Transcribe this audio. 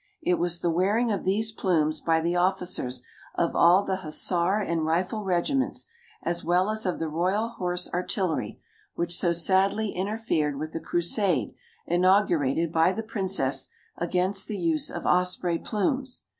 It was the wearing of these plumes by the officers of all the hussar and rifle regiments, as well as of the Royal Horse Artillery, which so sadly interfered with the crusade inaugurated by the Princess against the use of osprey plumes.